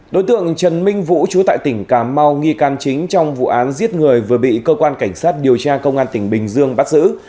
đối tượng trần minh vũ chú tại tỉnh cà mau nghi can chính trong vụ án giết người vừa bị cơ quan cảnh sát điều tra công an tỉnh bình dương bắt giữ